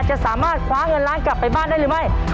จะสามารถคว้าเงินล้านกลับไปบ้านได้หรือไม่